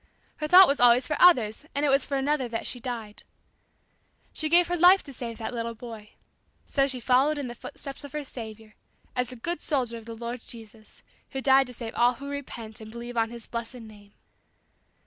Her thought was always for others, and it was for another that she died. She gave her life to save that little boy. So she followed in the footsteps of her Saviour, as a good soldier of the Lord Jesus who died to save all who repent and believe on His blessed name."